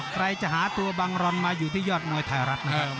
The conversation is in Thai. ใครจะหาตัวบังรอนมาอยู่ที่ยอดหน่อยไทยรัฐนะครับ